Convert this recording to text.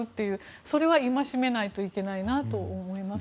それは戒めないといけないと思います。